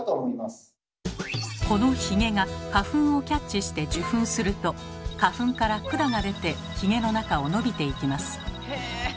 このヒゲが花粉をキャッチして受粉すると花粉から管が出てヒゲの中を伸びていきます。